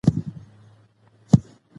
زما کورنۍ وخت د تېرېدو په اړه بحث کوي.